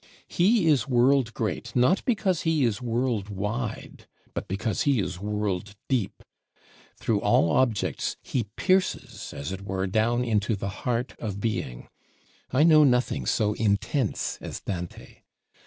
He is world great not because he is world wide, but because he is world deep. Through all objects he pierces as it were down into the heart of Being. I know nothing so intense as Dante.